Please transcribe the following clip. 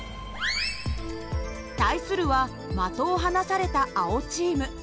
対するは的を離された青チーム。